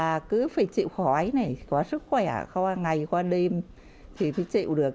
là cứ phải chịu khói này có sức khỏe khoa ngày khoa đêm thì phải chịu được